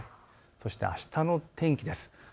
そしてあしたの天気です。